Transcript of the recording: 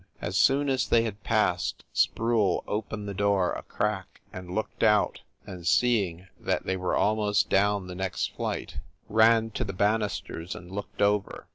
As soon as they had passed Sproule opened the door a crack and looked out, then, seeing that they were almost down the next flight, ran to the banisters and 268 FIND THE WOMAN looked over.